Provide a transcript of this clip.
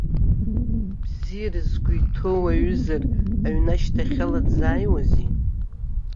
Бзиара згәы иҭоу уаҩызар, аҩны ашьҭахьала дзааиуазеи?